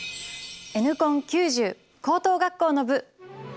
「Ｎコン９０」高等学校の部。